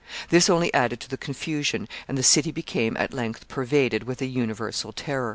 This only added to the confusion, and the city became at length pervaded with a universal terror.